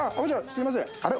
すいませんあれ？